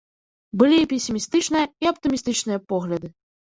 Былі і песімістычная, і аптымістычныя погляды.